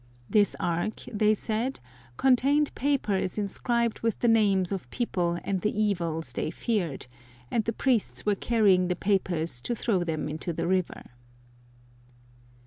This ark, they said, contained papers inscribed with the names of people and the evils they feared, and the priests were carrying the papers to throw them into the river.